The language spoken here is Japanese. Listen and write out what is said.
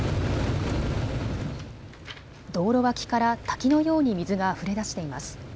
道路脇から滝のように水があふれ出しています。